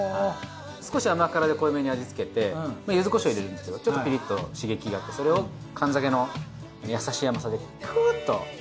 少し甘辛で濃いめに味つけてゆずこしょう入れるんですけどちょっとピリッと刺激があってそれを燗酒の優しい甘さでクーッと。